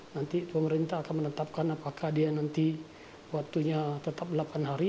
nanti pemerintah akan menetapkan apakah dia nanti waktunya tetap delapan hari